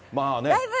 だいぶ。